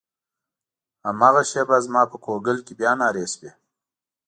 هماغه شېبه زما په ګوګل کې بیا نارې شوې.